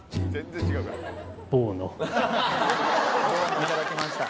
いただきました。